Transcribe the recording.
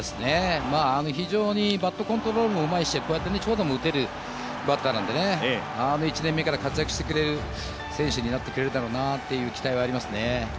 非常にバットコントロールもうまいしこうやって長打も打てるバッターなので１年目から活躍してくれる選手になるだろうなという期待はありますね。